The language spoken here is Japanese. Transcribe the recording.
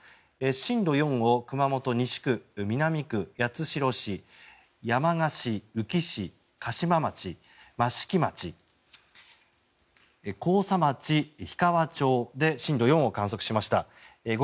震度４度を熊本西区、南区八代市、山鹿市、宇城市嘉島町、益城町甲佐町、氷川町で震度４を観測しました。